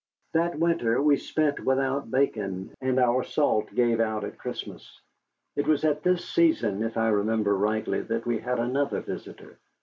That winter we spent without bacon, and our salt gave out at Christmas. It was at this season, if I remember rightly, that we had another visitor.